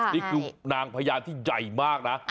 นี่คือนางพญาที่ใหญ่มากนะ